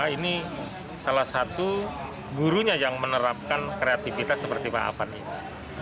ini salah satu gurunya yang menerapkan kreativitas seperti pak avan ini